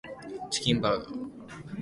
チキンハンバーガー